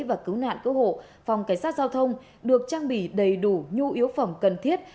và cứu nạn cứu hộ phòng cảnh sát giao thông được trang bị đầy đủ nhu yếu phẩm cần thiết